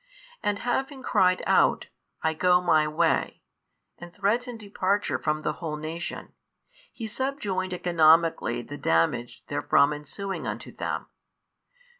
And having cried out, I go My way, and threatened departure from the whole nation, He subjoined economically the damage therefrom ensuing unto them.